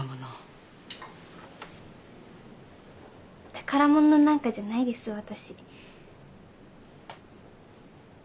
宝物なんかじゃないです私。